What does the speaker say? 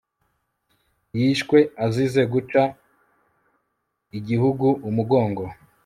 yishwe azize guca igihugu umugongo